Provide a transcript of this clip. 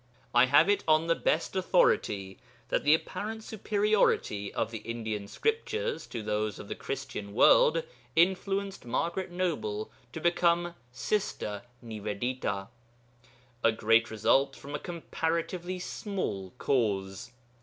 I have it on the best authority that the apparent superiority of the Indian Scriptures to those of the Christian world influenced Margaret Noble to become 'Sister Nivedita' a great result from a comparatively small cause.